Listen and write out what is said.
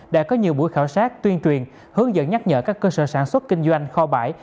đã có nhiều buổi khảo sát tuyên truyền hướng dẫn nhắc nhở các cơ sở sản xuất kinh doanh kho bãi